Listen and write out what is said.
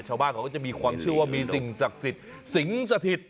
ชาวบ้านเขาก็จะมีความเชื่อว่ามีสิ่งศักดิ์สิทธิ์สิงสถิต